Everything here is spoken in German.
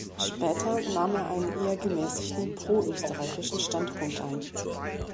Später nahm er einen eher gemäßigten pro-österreichischen Standpunkt ein.